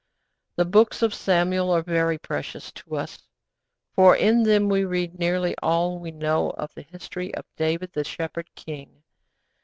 The Books of Samuel are very precious to us, for in them we read nearly all we know of the history of David the shepherd king.